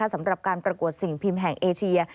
สำหรับการประกวดสิ่งพิมพ์แห่งเอเชีย